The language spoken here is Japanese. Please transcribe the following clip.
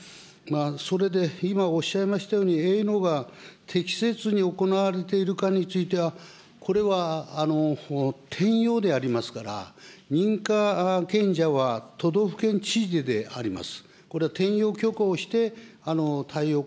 それで今おっしゃいましたように、営農が適切に行われているかについては、これは転用でありますから、認可けんじゃは都道府県知事であります。